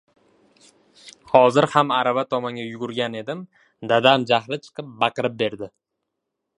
Hozir ham arava tomonga yugurgan edim, dadam jahli chiqib baqirib berdi: